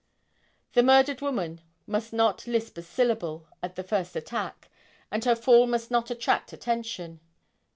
The murdered woman must not lisp a syllable at the first attack, and her fall must not attract attention.